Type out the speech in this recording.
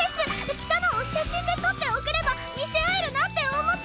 着たのを写真で撮って送れば見せ合えるなって思って！